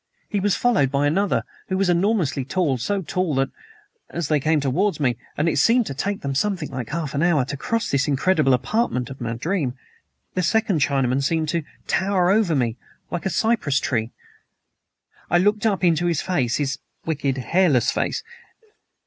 He was followed by another, who was enormously tall so tall that, as they came towards me (and it seemed to take them something like half an hour to cross this incredible apartment in my dream), the second Chinaman seemed to tower over me like a cypress tree. "I looked up to his face his wicked, hairless face.